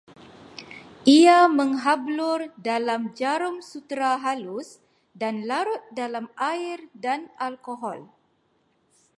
Ia menghablur dalam jarum sutera halus dan larut dalam air dan alkohol